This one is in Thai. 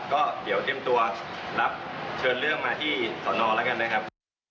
ก็เดี๋ยวเตรียมตัวรับเชิญเรื่องมาที่สอนอแล้วกันนะครับ